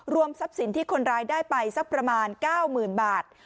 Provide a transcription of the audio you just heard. ทรัพย์สินที่คนร้ายได้ไปสักประมาณ๙๐๐๐บาท